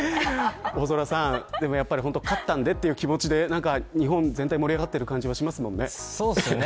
大空さん、本当に勝ったんで、という気持ちで日本全体が盛り上がってる感じしますよね。